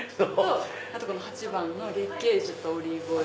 あと８番の月桂樹とオリーブオイル。